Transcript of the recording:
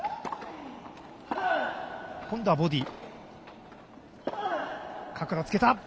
今度はボディー。